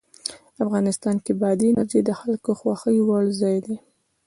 افغانستان کې بادي انرژي د خلکو د خوښې وړ ځای دی.